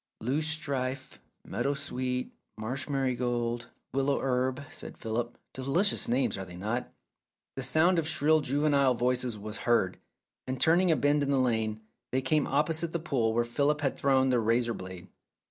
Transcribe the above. "Loosestrife, meadow sweet, marsh marigold, willow herb," said Philip. "Delicious names, are they not ?" The sound of shrill juvenile voices was heard, and turning a bend in the lane, they came opposite the pool where Philip had thrown the razor blade.